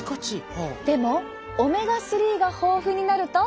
でもオメガ３が豊富になると。